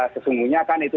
sesungguhnya kan itu